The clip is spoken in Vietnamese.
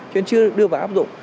cho nên chưa được đưa vào áp dụng